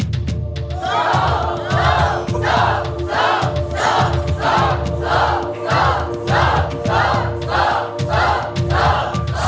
สู้